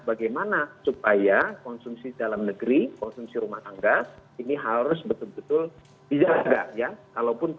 bagaimana supaya konsumsi dalam negeri konsumsi rumah tangga ini harus betul betul dijaga ya kalaupun